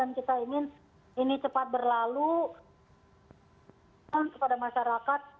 jadi kita ingin beri perhatian kepada masyarakat